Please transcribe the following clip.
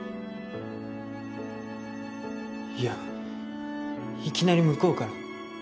いやいきなり向こうから。